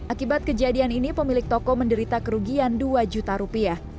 akibat kejadian ini pemilik toko menderita kerugian dua juta rupiah